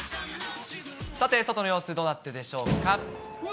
さて、外の様子、どうなっているでしょうか。